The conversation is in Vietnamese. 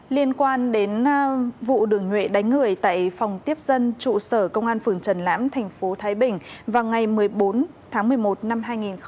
liên quan đến vụ đường nhuệ đánh người tại phòng tiếp dân trụ sở công an phường trần lãm tp thái bình vào ngày một mươi bốn tháng một mươi một năm hai nghìn một mươi bốn